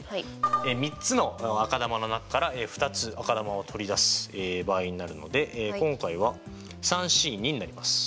３つの赤球の中から２つ赤球を取り出す場合になるので今回はＣになります。